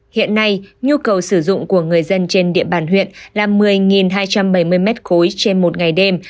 hiện nay nhu cầu sử dụng của người dân trên địa bàn huyện là một mươi hai trăm bảy mươi m ba trên một ngày đêm